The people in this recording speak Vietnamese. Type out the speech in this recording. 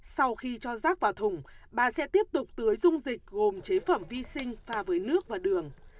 sau khi cho rác vào thùng bà sẽ tiếp tục tưới dung dịch gồm chế phẩm vi sinh pha với nước và đường